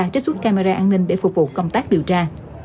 trích xuất camera an ninh để phục vụ công tác điều tra